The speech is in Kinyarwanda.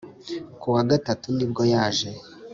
ku wa Gatatu nibwo yaje